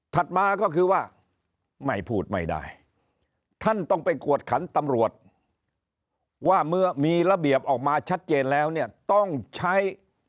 มาก็คือว่าไม่พูดไม่ได้ท่านต้องไปกวดขันตำรวจว่าเมื่อมีระเบียบออกมาชัดเจนแล้วเนี่ยต้องใช้